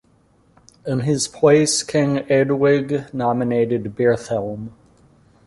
In his place King Eadwig nominated Byrhthelm.